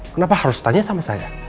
kenapa harus tanya sama saya